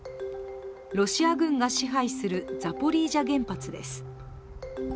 ロシア軍が支配するザポリージャ原発です。